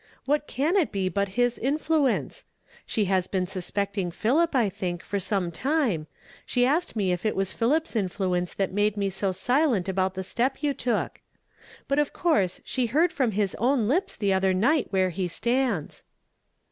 What can it be but his influence? She has been suspecting Philip, I think, for some time . She asked me if it was Philip's influence that made me so silent al)out the step you took. But of course she heard from his own lips the other night where he stands."